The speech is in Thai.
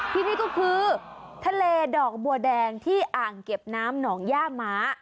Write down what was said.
ที่นี่ก็คือทะเลดอกบัวแดงที่อ่างเก็บน้ำหนองย่าม้า